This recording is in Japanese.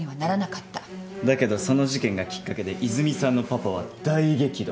だけどその事件がきっかけで泉さんのパパは大激怒。